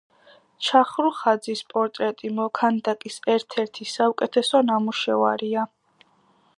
ჩახრუხაძის პორტრეტი მოქანდაკის ერთ-ერთი საუკეთესო ნამუშევარია.